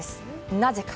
なぜか？